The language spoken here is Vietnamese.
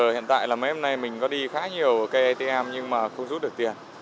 hiện tại là mấy hôm nay mình có đi khá nhiều cây atm nhưng mà không rút được tiền